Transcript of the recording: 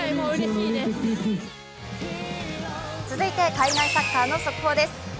続いて海外サッカーの速報です。